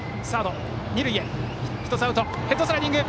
ヘッドスライディング！